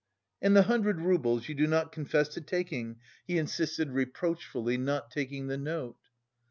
"And the hundred roubles you do not confess to taking?" he insisted reproachfully, not taking the note.